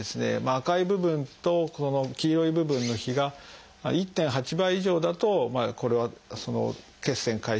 赤い部分とこの黄色い部分の比が１．８倍以上だとこれは血栓回収